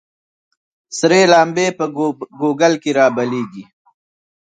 ســـــــرې لمـبـــــې په ګوګـل کــې رابلـيـــږي